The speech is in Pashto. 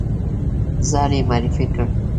ځان یې معرفي کړ.